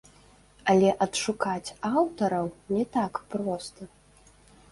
Але адшукаць аўтараў не так проста.